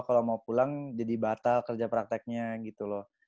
kalau mau pulang jadi batal kerja prakteknya gitu loh